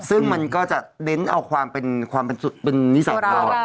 ซึ่งมันก็จะเน้นเอาความเป็นนิสัยของเรา